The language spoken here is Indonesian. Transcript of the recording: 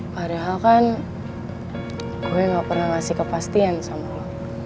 padahal kan gue gak pernah ngasih kepastian sama allah